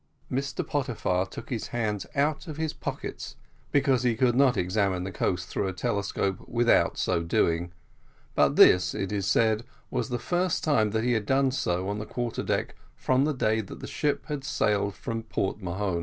Mr Pottyfar took his hands out of his pockets, because he could not examine the coast through a telescope without so doing; but this, it is said, was the first time that he had done so on the quarter deck from the day that the ship had sailed from Port Mahon.